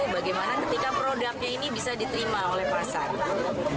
bagaimana ketika produknya ini bisa diterima oleh pasar